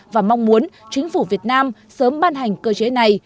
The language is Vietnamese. và mong muốn chính phủ việt nam sớm ban hành cơ chế này